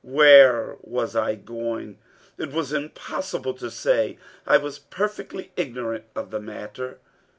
Where was I going? It was impossible to say. I was perfectly ignorant of the matter.